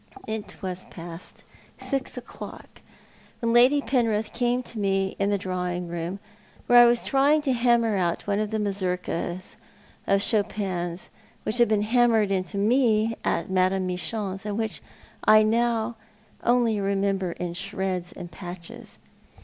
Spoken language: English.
It was past six o'clock when Lady Penrith came to me in the drawing room, where I was trying to hammer out the one mazurka of Chopin's which had been hammered into me at Madame Michon's and which I now only remember in shreds and patches.